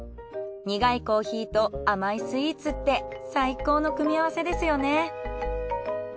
苦いコーヒーと甘いスイーツって最高の組み合わせですよね。